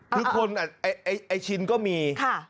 ทุกคนอ่ะชินก็มี